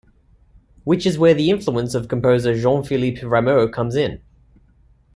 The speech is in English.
Which is where the influence of the composer Jean-Philippe Rameau comes in.